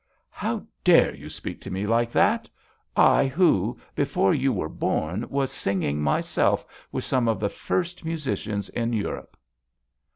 " How dare you speak to me like that — I who, before you were born, was singing myself with some of the first musicians in Europe."